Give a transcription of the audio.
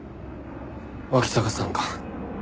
脇坂さんか。